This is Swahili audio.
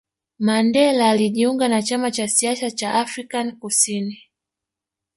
mandela alijiunga na chama cha siasa chaaAfrican kusini